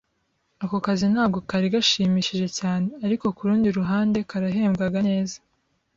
Ako kazi ntabwo kari gashimishije cyane, ariko kurundi ruhande karahembwaga neza.